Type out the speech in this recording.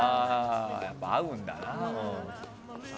やっぱり合うんだな。